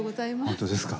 本当ですか？